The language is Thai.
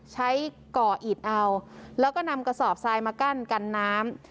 ก่ออิดเอาแล้วก็นำกระสอบทรายมากั้นกันน้ำ